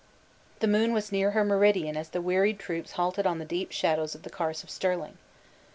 The moon was near her meridian as the wearied troops halted on the deep shadows of the Carse of Stirling.